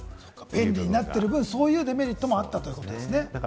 便利になってる分、そういうデメリットもあったということですね。